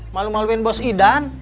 malu maluin bos idan